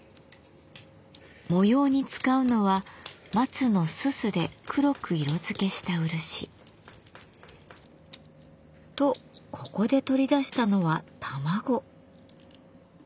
模様に使うのは松のすすで黒く色づけした漆。とここで取り出したのは卵。